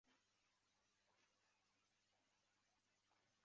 其升级后血红铁碎牙使出的风之伤可以用来破坏结界。